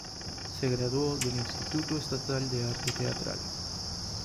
Se graduó del Instituto Estatal de Arte Teatral.